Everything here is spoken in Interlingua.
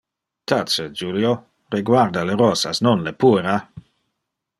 Tace Julio! Reguarda le rosas, non le puera!